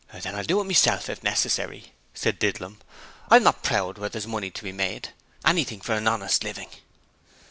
'Then I'll do it meself if necessary,' said Didlum. 'I'm not proud when there's money to be made; anything for an honest living.'